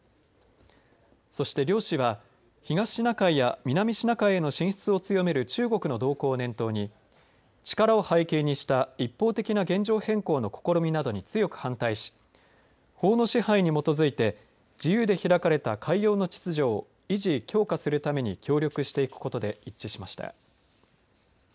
そして両氏は東シナ海や南シナ海への進出を強める中国の動向を念頭に力を背景にした一方的な現状変更の試みなどに強く反対し法の支配に基づいて自由で開かれた海洋の秩序を維持・強化するために協力していくことで一致しました。